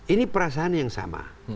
ini perasaan yang sama